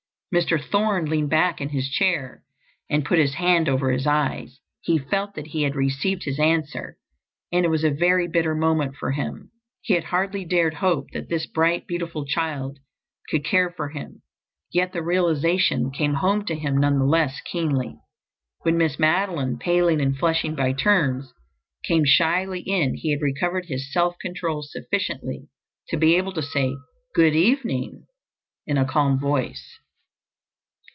Mr. Thorne leaned back in his chair and put his hand over his eyes. He felt that he had received his answer, and it was a very bitter moment for him. He had hardly dared hope that this bright, beautiful child could care for him, yet the realization came home to him none the less keenly. When Miss Madeline, paling and flushing by turns, came shyly in he had recovered his self control sufficiently to be able to say "good evening" in a calm voice.